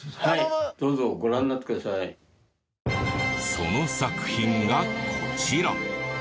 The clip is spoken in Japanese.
その作品がこちら。